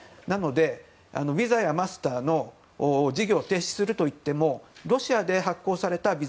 なので、ＶＩＳＡやマスターの事業停止するといってもロシアで発行されたＶＩＳＡ